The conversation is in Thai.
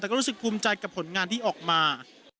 แต่ก็รู้สึกภูมิใจกับผลงานที่ออกมา